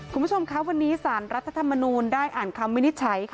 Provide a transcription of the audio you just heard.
คุณผู้ชมคะวันนี้สารรัฐธรรมนูลได้อ่านคำวินิจฉัย